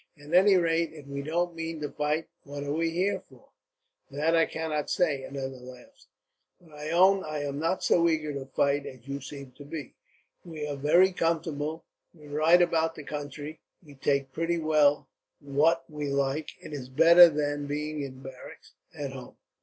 At any rate, if we don't mean to fight, what are we here for?" "That I cannot say," another laughed; "but I own I am not so eager to fight as you seem to be. We are very comfortable. We ride about the country, we take pretty well what we like. It is better than being in barracks, at home.